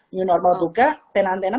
new normal juga tenan tenan